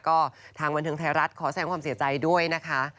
ก็ทางบันเทิงไทยรัฐขอแสงความเสียใจด้วยนะคะ